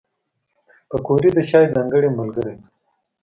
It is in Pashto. پکورې د چای ځانګړی ملګری دی